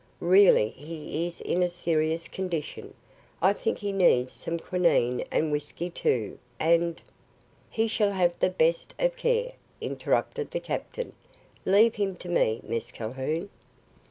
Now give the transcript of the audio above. "Really, he is in a serious condition. I think he needs some quinine and whiskey, too, and " "He shall have the best of care," interrupted the captain. "Leave him to me, Miss Calhoun."